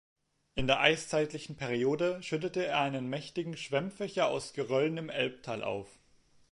In der eiszeitlichen Periode schüttete er einen mächtigen Schwemmfächer aus Geröllen im Elbtal auf.